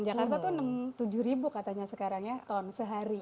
jakarta itu tujuh ribu katanya sekarang ya ton sehari